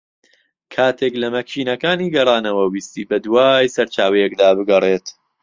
کاتێک لە مەکینەکانی گەڕانەوە ویستی بە دووای سەرچاوەیەکدا بگەڕێت